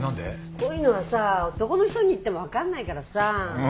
こういうのはさあ男の人に言っても分かんないからさあ。